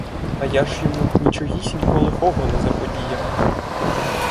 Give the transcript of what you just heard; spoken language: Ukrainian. А я ж йому нічогісінько лихого не заподіяв.